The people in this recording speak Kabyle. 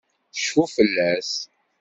Cfu fell-as.